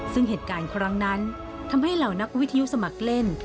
ซึ่งเหตุการณ์ครั้งนั้นทำให้เหล่านักวิทยุสมัครเล่น